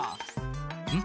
「うん？